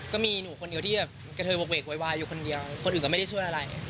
ก็มีหนูคนเดียวที่แบบกระเทยโหกเวกโวยวายอยู่คนเดียวคนอื่นก็ไม่ได้ช่วยอะไร